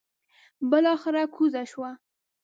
بلاخره کوزه شوه.